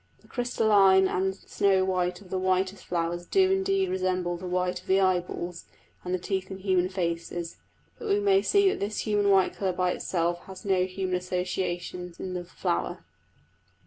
The crystalline and snow white of the whitest flowers do indeed resemble the white of the eyeballs and the teeth in human faces; but we may see that this human white colour by itself has no human association in a flower.